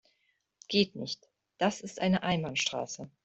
Geht nicht, das ist eine Einbahnstraße.